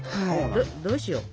どうしよう？